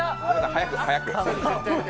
早く早く。